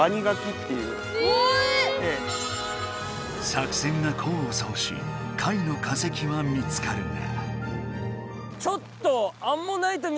作戦がこうをそうし貝の化石は見つかるが。